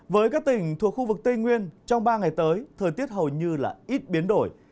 với các tỉnh thuộc khu vực tây nguyên trong ba ngày tới thời tiết hầu như là ít biến đổi